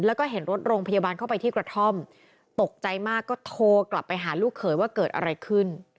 แล้วก็เห็นรถโรงพยาบาลเข้าไปที่กระท่อมตกใจมากก็โทรกลับไปหาลูกเขยว่าเกิดอะไรขึ้น